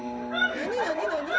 何何何！？